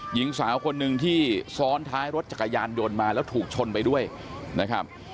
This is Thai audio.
หญิงสาวคนหนึ่งที่ซ้อนท้ายรถจักรยานยนต์มาแล้วถูกชนไปด้วยนะครับ